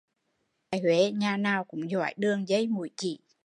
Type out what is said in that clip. Gái Huế nhà nào cũng giỏi đường dây múi chỉ